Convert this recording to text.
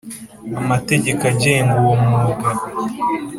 amategeko agenga uwo mwuga.